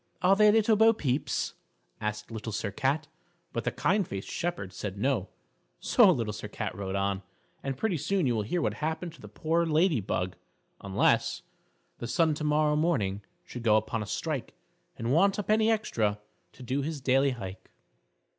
"Are they little Bo Peep's?" asked Little Sir Cat; but the kind faced shepherd said no, so Little Sir Cat rode on, and pretty soon you will hear what happened to the poor Lady Bug, unless _The Sun tomorrow morning Should go upon a strike, And want a penny extra To do his daily hike!